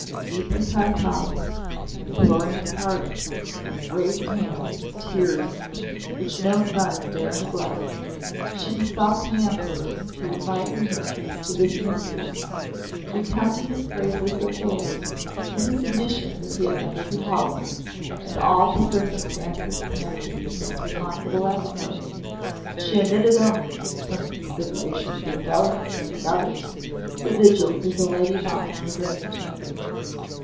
Deeply kowtowing, imploring pardon, with raised hands and tears which no son dare neglect, she besought the Emperor to enlighten her as to this mystery, recounting his praises of the lady and his admission that he had never beheld her, and all the circumstances connected with this remarkable episode. She omitted only, (from considerations of delicacy and others,) the vigils of the Lady Ma in the Dragon Chamber.